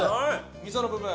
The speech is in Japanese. みその部分。